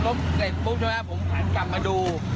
ครับผมลบเสร็จปุ๊บผมกลับมาดู